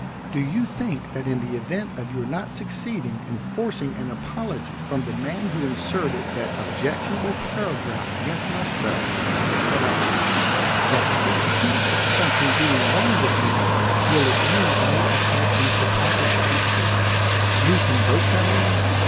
"Do you think that in the event of your not succeeding in forcing an apology from the man who inserted that objectionable paragraph against myself that that such hints of something being wrong with me will in any way affect Mr. Packard's chances lose him votes, I mean?